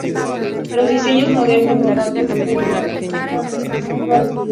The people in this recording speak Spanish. Los diseños modernos monocasco incluyen una quilla virtual.